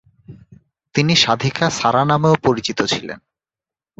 তিনি সাধিকা শারা নামেও পরিচিত ছিলেন।